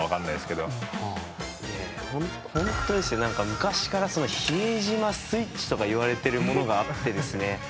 昔から比江島スイッチとか言われているものがあってですね。